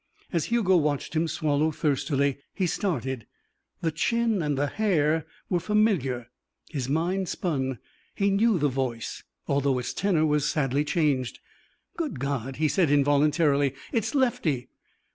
As Hugo watched him swallow thirstily, he started. The chin and the hair were familiar. His mind spun. He knew the voice, although its tenor was sadly changed. "Good God," he said involuntarily, "it's Lefty!"